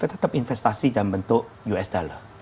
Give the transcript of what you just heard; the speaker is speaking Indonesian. tetap investasi dalam bentuk usd